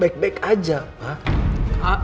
baik baik aja pak